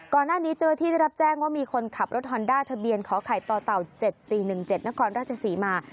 เจ้าหน้าที่ได้รับแจ้งว่ามีคนขับรถฮอนด้าทะเบียนขอไข่ต่อเต่า๗๔๑๗นครราชศรีมา